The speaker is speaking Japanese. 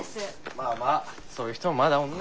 まあまあそういう人もまだおんねん。